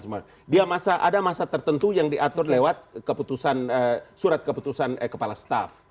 semua dia masa ada masa tertentu yang diatur lewat keputusan surat keputusan kepala staf